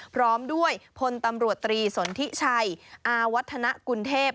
พร้อมด้วยพลตำรวจตรีสนทิชัยอาวัฒนกุลเทพ